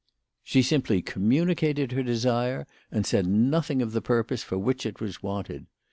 She simply com municated her desire, and said nothing of the purpose for which it was wanted.